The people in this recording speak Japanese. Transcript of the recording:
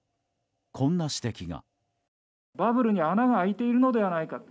こんな指摘が。